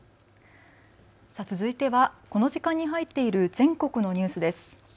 続いてはこの時間に入っている全国のニュースです。